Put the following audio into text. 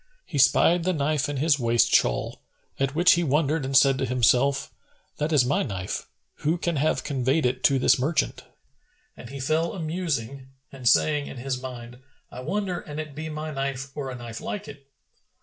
He spied the knife in his waist shawl, at which he wondered and said to himself, "That is my knife: who can have conveyed it to this merchant?" And he fell a musing and saying in his mind, "I wonder an it be my knife or a knife like it!"